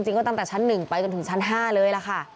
ก็ตั้งแต่ชั้น๑ไปจนถึงชั้น๕เลยล่ะค่ะ